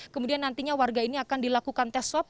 kemudian nantinya warga ini akan dilakukan tes swab